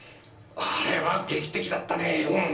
あれは劇的だったねうん。